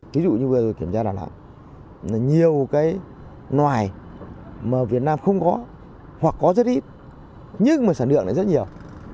ví dụ như vừa rồi kiểm tra đà lạt nhiều cái noài mà việt nam không có hoặc có rất ít nhưng mà sản lượng này rất nhiều